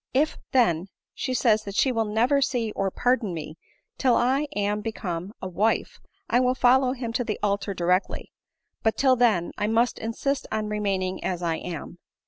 If, then, she says that she will never see or pardon me till 1 am become a wife, I will follow him to the altar directly ; but till then 1 must insist on remaining as I am.